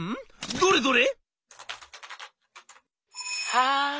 どれどれ。